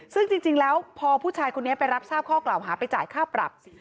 ซึ่งจริงแล้วพอผู้ชายคนนี้ไปรับทราบข้อกล่าวหาไปจ่ายค่าปรับ